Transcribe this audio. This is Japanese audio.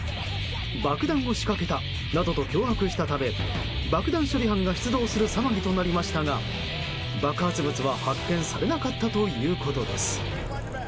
爆弾を仕掛けたなどと脅迫したため爆弾処理班が出動する騒ぎとなりましたが爆発物は発見されなかったということです。